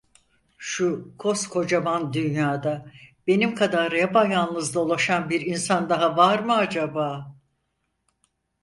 Şu koskocaman dünyada benim kadar yapayalnız dolaşan bir insan daha var mı acaba?